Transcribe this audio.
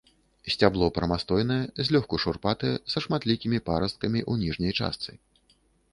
Сцябло прамастойнае, злёгку шурпатае, са шматлікімі парасткамі ў ніжняй частцы.